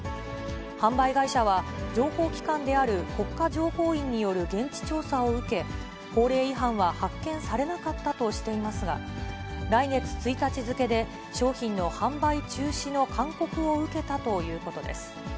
販売会社は、情報機関である国家情報院による現地調査を受け、法令違反は発見されなかったとしていますが、来月１日付で商品の販売中止の勧告を受けたということです。